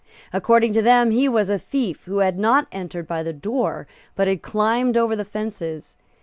According to them, he was a thief who had not entered by the door, but had climbed over the fences.